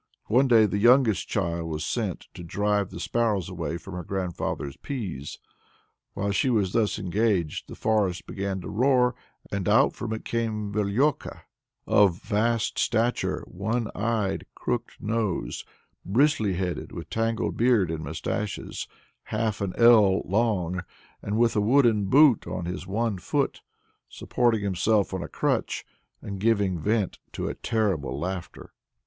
One day the youngest child was sent to drive the sparrows away from her grandfather's pease. While she was thus engaged the forest began to roar, and out from it came Verlioka, "of vast stature, one eyed, crook nosed, bristly headed, with tangled beard and moustaches half an ell long, and with a wooden boot on his one foot, supporting himself on a crutch, and giving vent to a terrible laughter."